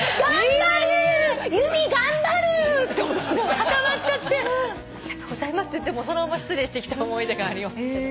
もう固まっちゃって「ありがとうございます」って言ってそのまま失礼してきた思い出があります。